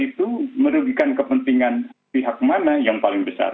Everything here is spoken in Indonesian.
itu merugikan kepentingan pihak mana yang paling besar